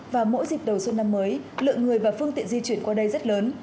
và mỗi dịp đầu xuân năm mới lượng người và phương tiện di chuyển qua đây rất lớn